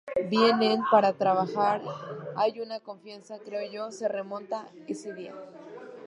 Vienen para trabajar, hay una confianza, que creo yo, se remonta a ese día.